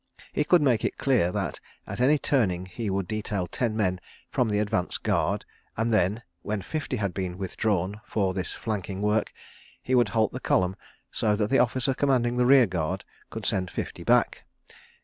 ... He could make it clear that at any turning he would detail ten men from the advance guard, and then, when fifty had been withdrawn for this flanking work, he would halt the column so that the officer commanding the rear guard could send fifty back.